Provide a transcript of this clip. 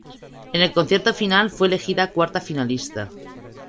En el concierto final, fue elegida cuarta finalista.